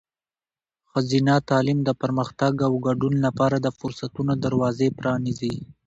ښځینه تعلیم د پرمختګ او ګډون لپاره د فرصتونو دروازې پرانیزي.